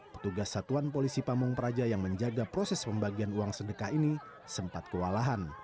petugas satuan polisi pamung praja yang menjaga proses pembagian uang sedekah ini sempat kewalahan